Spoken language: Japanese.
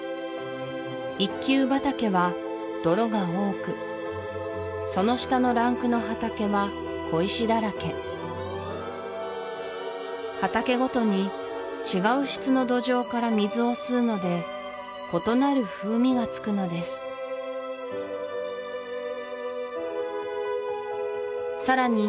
１級畑は泥が多くその下のランクの畑は小石だらけ畑ごとに違う質の土壌から水を吸うので異なる風味がつくのですさらに